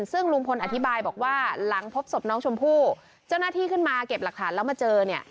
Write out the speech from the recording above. ซึ่งลุงพลอธิบายบอกว่าหลังพบศพน้องชมพู่เจ้าหน้าที่ขึ้นมาเก็บหลักฐานแล้วมาเจอเนี่ย